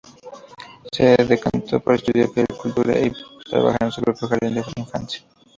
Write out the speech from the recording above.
Se decantó por estudiar puericultura, y trabaja en su propio jardín de infancia.